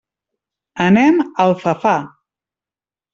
Anem a Alfafar.